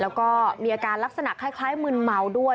แล้วก็มีอาการลักษณะคล้ายมืนเมาด้วย